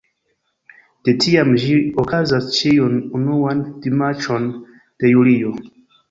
De tiam ĝi okazas ĉiun unuan dimanĉon de julio.